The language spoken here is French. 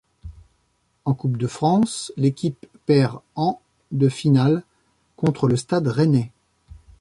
En coupe de France, l'équipe perd en de finale contre le stade rennais.